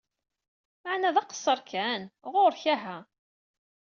Maɛna d aqeṣṣaṛ kan! Ɣuṛ-k ha!